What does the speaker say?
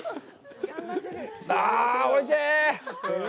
ああ、おいしい！